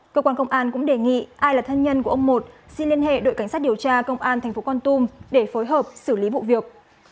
cơ quan công an cũng đề nghị ai là thân nhân của ông một xin liên hệ đội cảnh sát điều tra công an tp con tum để phối hợp xử lý vụ việc